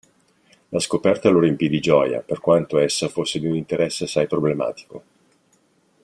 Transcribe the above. La scoperta lo riempì di gioia, per quanto essa fosse di un interesse assai problematico.